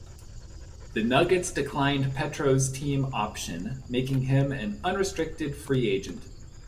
The Nuggets declined Petro's team option, making him an unrestricted free agent.